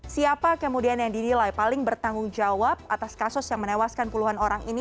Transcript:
siapa kemudian yang dinilai paling bertanggung jawab atas kasus yang menewaskan puluhan orang ini